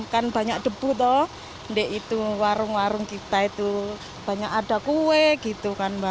kan banyak debu toh itu warung warung kita itu banyak ada kue gitu kan mbak